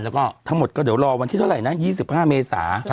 แล้วก็ทั้งหมดก็เดี๋ยวรอวันที่เท่าไหร่นะ๒๕เมษา